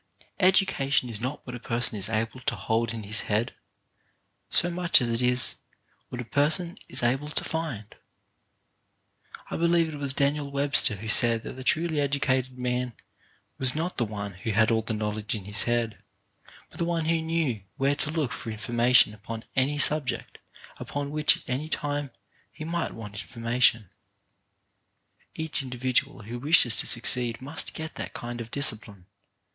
Edu cation is not what a person is able to hold in his head, so much as it is what a person is able to find. I believe it was Daniel Webster who said that the truly educated man was not the one who had all knowledge in his head, but the one who knew where to look for information upon any subject upon which at any time he might want informa tion. Each individual who wishes to succeed must get that kind of discipline.